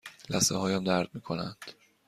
لثه هایم درد می کنند.